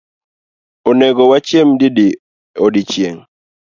Onego wachiem didi odiechieng’?